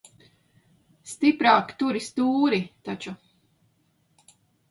Stiprāk turi stūri taču.